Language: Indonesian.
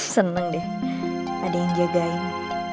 senang deh ada yang jagain